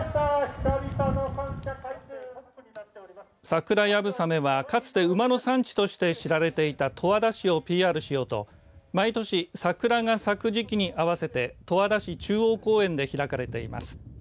桜流鏑馬は、かつて馬の産地として知られていた十和田市をＰＲしようと毎年桜が咲く時期に合わせて十和田市中央公園で開かれています。